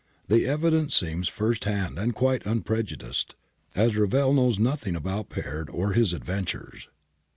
The evidence seems first hand and quite unprejudiced, as Revel knows nothinc about Peard or his adventures.